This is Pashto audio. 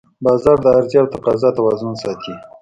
بازار د عرضې او تقاضا توازن ساتي